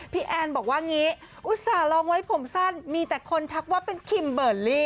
แอนบอกว่างี้อุตส่าหลองไว้ผมสั้นมีแต่คนทักว่าเป็นคิมเบอร์ลี่